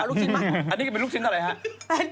จากกระแสของละครกรุเปสันนิวาสนะฮะ